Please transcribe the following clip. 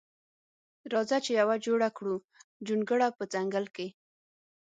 راخه چی یوه جوړه کړو جونګړه په ځنګل کی.